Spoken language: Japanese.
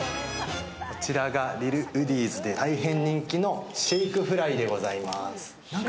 こちらがＬｉｌＷｏｄｄｙ’ｓで大変人気のシェイクフライでございます。